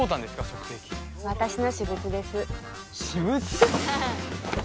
測定器私の私物です私物？